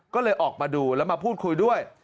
ก็เลยออกมาดูแล้วมาพูดคุยด้วย